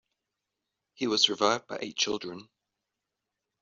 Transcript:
He was survived by eight children.